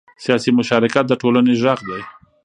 سیاسي مشارکت د ټولنې غږ دی